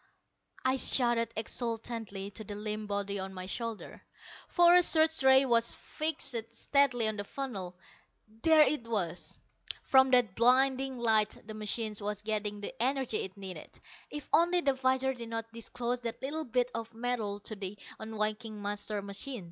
I shouted exultantly to the limp body on my shoulder. For a search ray was fixed steadily on the funnel. There it was. From that blinding light the machine was getting the energy it needed. If only the visor did not disclose that little bit of metal to the unwinking master machine!